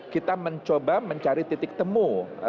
kita mencoba mencari titik temu